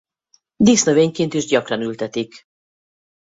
Dísznövényként is gyakran ültetik.